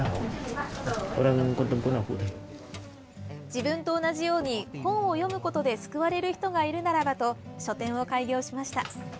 自分と同じように本を読むことで救われる人がいるならばと書店を開業しました。